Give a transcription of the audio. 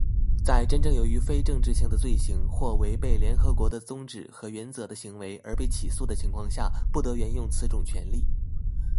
在真正由于非政治性的罪行或违背联合国的宗旨和原则的行为而被起诉的情况下,不得援用此种权利。